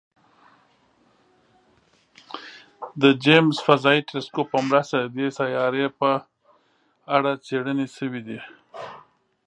د جیمز فضايي ټیلسکوپ په مرسته د دې سیارې په اړه څېړنې شوي دي.